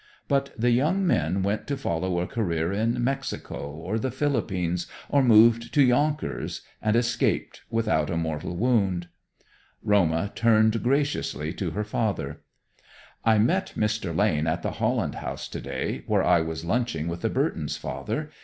But the young men went to follow a career in Mexico or the Philippines, or moved to Yonkers, and escaped without a mortal wound. Roma turned graciously to her father. "I met Mr. Lane at the Holland House today, where I was lunching with the Burtons, father.